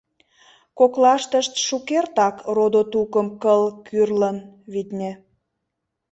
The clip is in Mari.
Коклаштышт шукертак родо-тукым кыл кӱрлын, витне.